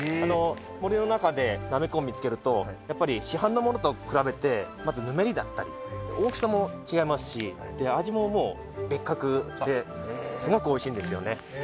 森の中でナメコを見つけると、やっぱり市販のものと比べて、まずぬめりであったり、大きさも違いますし、味ももう別格で、すごくおいしいんですよね。